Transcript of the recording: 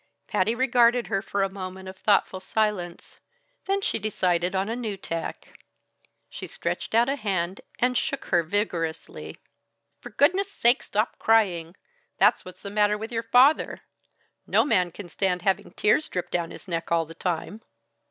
Patty regarded her for a moment of thoughtful silence, then she decided on a new tack. She stretched out a hand and shook her vigorously. "For goodness' sake, stop crying! That's what's the matter with your father. No man can stand having tears dripped down his neck all the time."